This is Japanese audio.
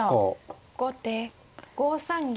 後手５三銀。